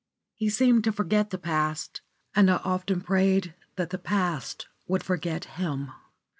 He seemed to forget the past, and I often prayed that the past would forget him.